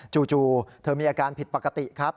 จู่เธอมีอาการผิดปกติครับ